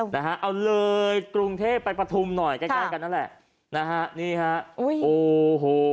นะฮะเอาเลยกรุงเทพไปปฐุมหน่อยใกล้ใกล้กันนั่นแหละนะฮะนี่ฮะอุ้ยโอ้โห